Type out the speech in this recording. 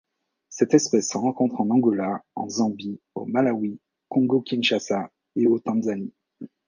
Cette espèce se rencontre en Angola, en Zambie, au Malawi, Congo-Kinshasa et au Tanzanie.